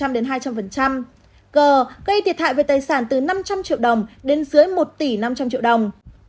g gây thiệt hại về tài sản từ năm trăm linh triệu đồng đến dưới một tỷ năm trăm linh triệu đồng